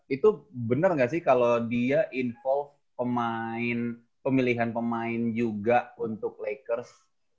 itu benar nggak sih kalau dia involve pemain pemilihan pemain juga untuk lakers